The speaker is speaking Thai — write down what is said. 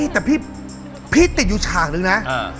แต่พี่ต้องอย่างเดียวนะ